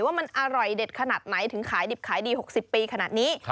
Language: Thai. ว่ามันอร่อยเด็ดขนาดไหนถึงขายดิบขายดี๖๐ปีขนาดนี้